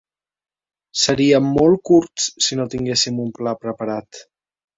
Seríem molt curts si no tinguéssim un pla preparat.